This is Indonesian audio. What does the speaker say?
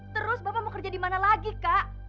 terus bapak mau kerja di mana lagi kak